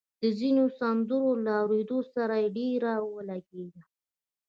د ځينو سندرو له اورېدو سره يې ډېره ولګېده